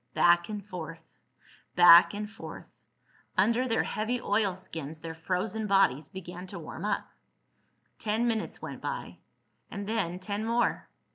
Back and forth ... back and forth.... Under their heavy oilskins their frozen bodies began to warm up. Ten minutes went by, and then ten more.